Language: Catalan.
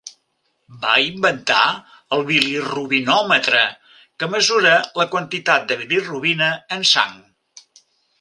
Va inventar el bilirubinòmetre, que mesura la quantitat de bilirubina en sang.